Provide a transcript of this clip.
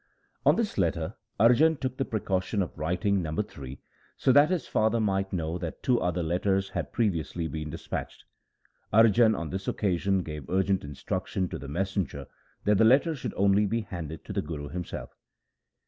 On this letter Arjan took the precaution of writing No. 3, so that his father might know that two other letters had previously been dispatched. Arjan on this occasion gave urgent instruction to the mes senger that the letter should only be handed to the Guru himself.